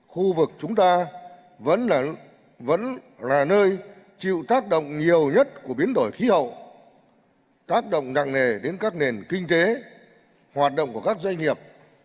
khu vực chúng ta vẫn là nơi chịu tác động nhiều nhất của biến đổi khí hậu tác động nặng nề đến các nền kinh tế hoạt động của các doanh nghiệp